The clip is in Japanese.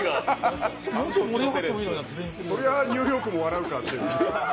それはニューヨークも笑うかっていう。